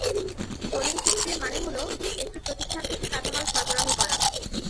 টোলিং চুক্তির মানে হলো, একটি প্রতিষ্ঠান থেকে কাঁচামাল সরবরাহ করা হবে।